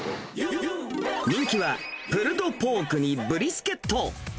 人気はプルドポークにブリスケット。